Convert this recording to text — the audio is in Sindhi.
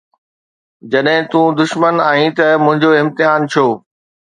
جڏهن تون دشمن آهين ته منهنجو امتحان ڇو؟